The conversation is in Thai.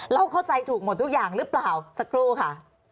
เข้าใจถูกหมดทุกอย่างหรือเปล่าสักครู่ค่ะ